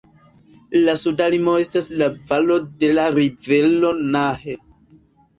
La suda limo estas la valo dela rivero Nahe.